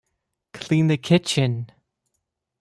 Clean the kitchen.